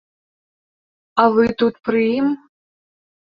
А вы тут пры ім?